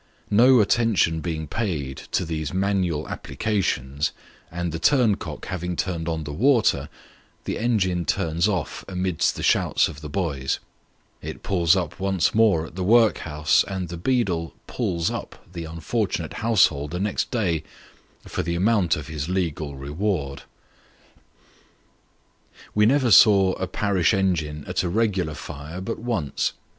No attention being paid to these manual applications, and the turn cock having turned on the water, the engine turns oif amidst the shouts of the boys ; it pulls up once more at the workhouse, and the beadle " pulls up " the unfortunate householder next day, for the amount of his legal reward. We never saw a parish engine at a regular fire but once.